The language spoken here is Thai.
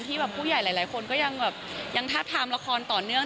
แบบผู้ใหญ่หลายคนก็ยังแบบยังทาบทามละครต่อเนื่อง